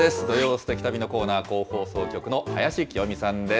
すてき旅のコーナー、甲府放送局の林聖海さんです。